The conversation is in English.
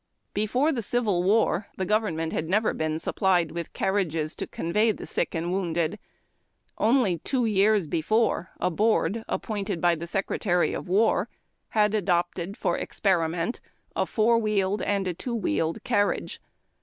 Before tlie civil war, the government hin! never been supplied with carriages to convey the sick .uid wounded. Only two years before, a board, a})pointed b\' iho secretary of war, had adopted for experiment a four w Imeled and a two wheeled carriage.